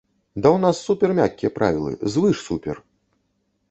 Да ў нас супер мяккія правілы, звыш-супер!